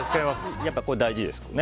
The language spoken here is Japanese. やっぱりこれ大事ですね。